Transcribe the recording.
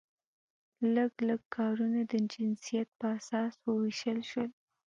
لږ لږ کارونه د جنسیت په اساس وویشل شول.